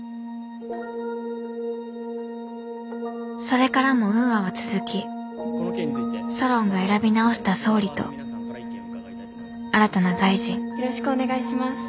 それからもウーアは続きソロンが選び直した総理と新たな大臣よろしくお願いします。